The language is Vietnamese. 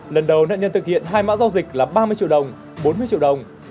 lần đầu nạn nhân thực hiện hai mã giao dịch là ba mươi triệu đồng bốn mươi triệu đồng